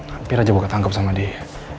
hampir aja gue ketangkep sama dia